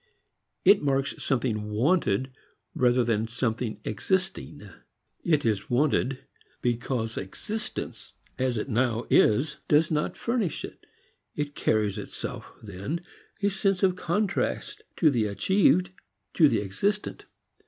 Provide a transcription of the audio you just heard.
It marks something wanted, rather than something existing. It is wanted because existence as it now is does not furnish it. It carries with itself, then, a sense of contrast to the achieved, to the existent.